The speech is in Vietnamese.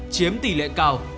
chiếm tỷ lệ cao